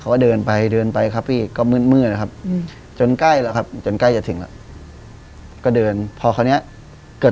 พอเดินใกล้ถึงนะพี่ใจหมาเห่า